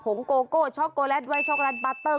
งโกโก้ช็อกโกแลตไว้ช็อกแลตบาเตอร์